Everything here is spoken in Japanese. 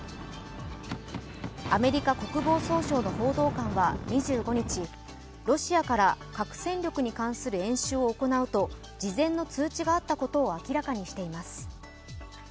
アメリカ国防総省の報道官は２５日、ロシアから核戦力に関する演習を行うと事前の通知があったことを明らかにしています。